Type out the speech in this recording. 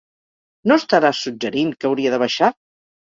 No estaràs suggerint que hauria de baixar?